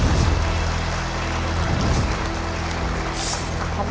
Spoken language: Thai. ขอเชิญยายชูมาตอบชีวิตเป็นคนแรกครับ